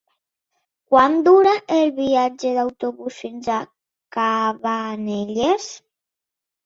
Quant dura el viatge en autobús fins a Cabanelles?